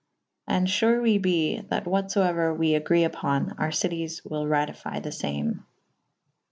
And fure we be / that what fo euer we agre vpo« our cities wyll ratyfye the fame.